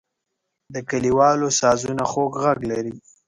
د کلیوالو سازونه خوږ غږ لري.